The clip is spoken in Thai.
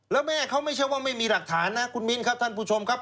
แล้วแม่เขาไม่ใช่ว่าไม่มีหลักฐานนะคุณมิ้นครับท่านผู้ชมครับ